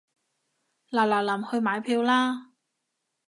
嗱嗱臨去買票啦